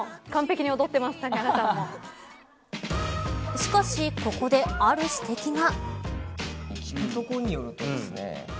しかし、ここである指摘が。